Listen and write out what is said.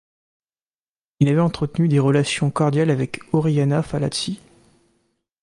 Il avait entretenu des relations cordiales avec Oriana Fallaci.